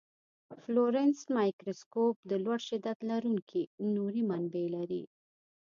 فلورسنټ مایکروسکوپ د لوړ شدت لرونکي نوري منبع لري.